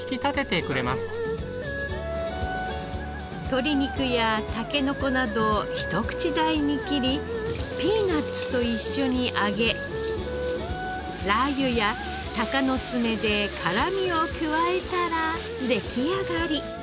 鶏肉やたけのこなどをひと口大に切りピーナッツと一緒に揚げラー油や鷹の爪で辛みを加えたら出来上がり。